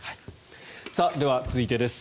では、続いてです。